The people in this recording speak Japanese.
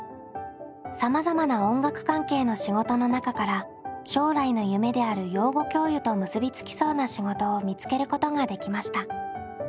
さまざまな音楽関係の仕事の中から将来の夢である養護教諭と結びつきそうな仕事を見つけることができました。